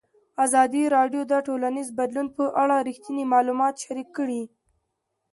ازادي راډیو د ټولنیز بدلون په اړه رښتیني معلومات شریک کړي.